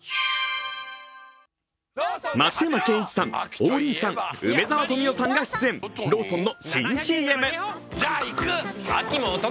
松山ケンイチさん、王林さん、梅沢富美男さんが出演、ローソンの新ＣＭ。